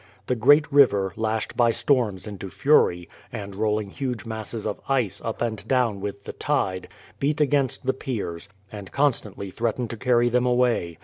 The great river, lashed by storms into fury, and rolling huge masses of ice up and down with the tide, beat against the piers, and constantly threatened to carry them away.